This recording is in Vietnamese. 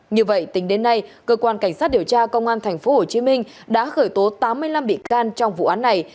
như vậy tính đến nay cơ quan cảnh sát điều tra công an tp hcm đã khởi tố tám mươi năm bị can trong vụ án này